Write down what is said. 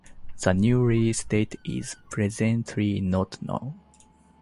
The new release date is presently not known.